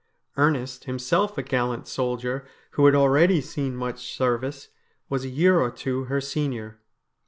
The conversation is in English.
Ernest, himself a gallant soldier who had already seen much service, was a year or two her senior.